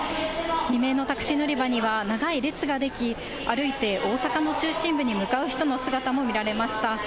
未明のタクシーのりばには長い列が出来、歩いて大阪の中心部に向かう人の姿も見られました。